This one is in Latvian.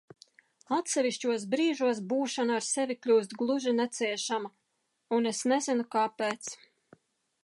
Atsevišķos brīžos būšana ar sevi kļūst gluži neciešama, un es nezinu kāpēc.